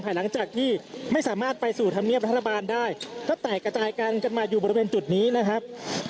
หลังจากที่ไม่สามารถไปสู่ธรรมเนียบรัฐบาลได้ก็แตกกระจายกันกันมาอยู่บริเวณจุดนี้นะครับ